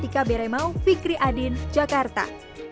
tika bere mau fikri adin jakarta